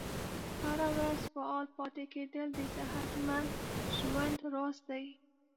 هره ورځ فعال پاتې کیدل د صحتمند ژوند راز دی.